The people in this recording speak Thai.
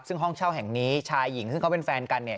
ซึ่งห้องเช่าแห่งนี้ชายหญิงซึ่งเขาเป็นแฟนกันเนี่ย